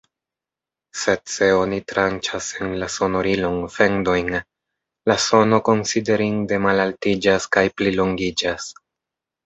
Sed se oni tranĉas en la sonorilon fendojn, la sono konsiderinde malaltiĝas kaj plilongiĝas.